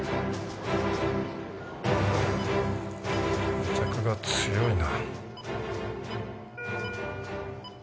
癒着が強いな。